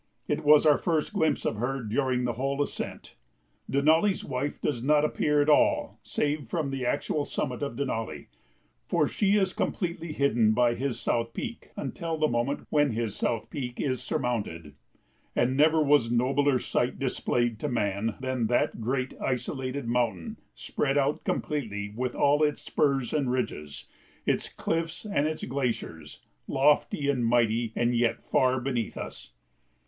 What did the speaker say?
It was our first glimpse of her during the whole ascent. Denali's Wife does not appear at all save from the actual summit of Denali, for she is completely hidden by his South Peak until the moment when his South Peak is surmounted. And never was nobler sight displayed to man than that great, isolated mountain spread out completely, with all its spurs and ridges, its cliffs and its glaciers, lofty and mighty and yet far beneath us.